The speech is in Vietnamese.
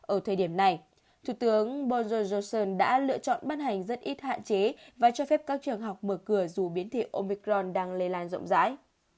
ở thời điểm này thủ tướng boris johnson đã lựa chọn bắt hành rất ít hạn chế và cho phép các trường học mở cửa dù biến thị omicron đang lây lan rộng rãi